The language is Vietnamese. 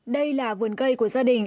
đây là vườn cây của gia đình